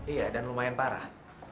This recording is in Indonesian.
iya dan lumayan parah